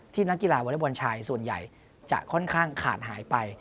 ที่นักกีฬาวรรยบรรชายส่วนใหญ่จะค่อนข้างขาดหายไป